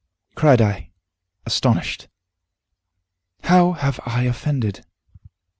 cried I, astonished. "How have I offended?"